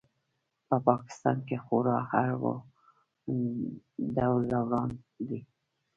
په پاکستان کې خورا اړ و دوړ روان دی.